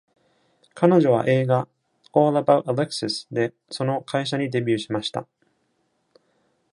彼女は映画「All About Alexis」で、その会社にデビューしました。